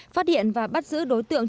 phát hiện và bắt giữ đối tượng